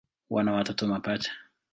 Wana watoto mapacha.